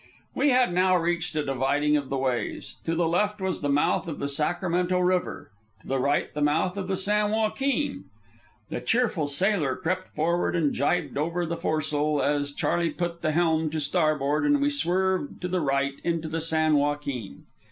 We had now reached a dividing of the ways. To the left was the mouth of the Sacramento River, to the right the mouth of the San Joaquin. The cheerful sailor crept forward and jibed over the foresail as Charley put the helm to starboard and we swerved to the right into the San Joaquin.